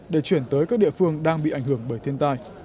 để chuyển tới các địa phương đang bị ảnh hưởng bởi thiên tai